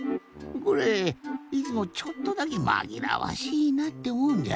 これいつもちょっとだけまぎらわしいなっておもうんじゃよ。